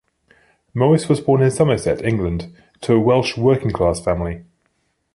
Morris was born in Somerset, England, to a Welsh working-class family.